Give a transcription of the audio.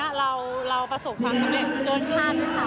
วันศักดีอันที่นี้เราประสบความสำเร็จเกิน๕นะครับ